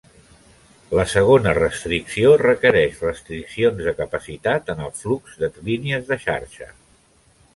La segona restricció requereix restriccions de capacitat en el flux de línies de xarxa.